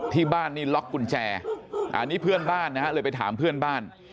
ที่บ้านนี่ล็อกกุญแจอันนี้เพื่อนบ้านนะฮะเลยไปถามเพื่อนบ้าน